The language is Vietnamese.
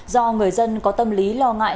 do người dân có tâm lý lo ngại